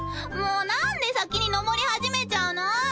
もうなんで先に上りはじめちゃうの？